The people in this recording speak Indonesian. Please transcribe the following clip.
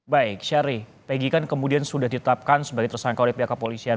baik syari peggy kan kemudian sudah ditetapkan sebagai tersangka oleh pihak kepolisian